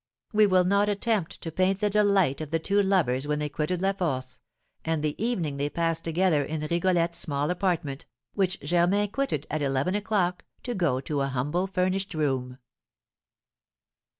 We will not attempt to paint the delight of the two lovers when they quitted La Force, and the evening they passed together in Rigolette's small apartment, which Germain quitted at eleven o'clock to go to a humble furnished room.